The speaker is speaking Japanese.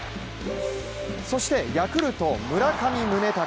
そしてヤクルト・村上宗隆